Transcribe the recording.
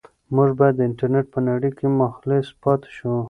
موږ باید د انټرنيټ په نړۍ کې مخلص پاتې شو.